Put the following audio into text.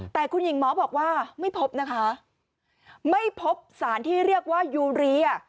แต่คุณหญิงหมอบอกว่าไม่พบนะคะไม่พบสารที่เรียกว่ายูเรีย